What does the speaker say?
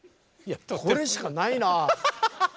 これしかないな。